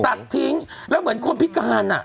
ตัดทิ้งแล้วเหมือนคนพิการอ่ะ